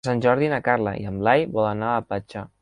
Per Sant Jordi na Carla i en Blai volen anar a la platja.